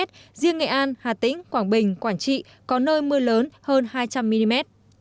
riêng nghệ an hà tĩnh quảng bình quảng trị có nơi mưa lớn hơn hai trăm linh mm